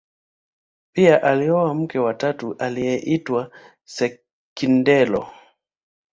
pia alioa mke wa tatu aliyeitwa pia sekindole